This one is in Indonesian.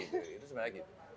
itu sebenarnya gitu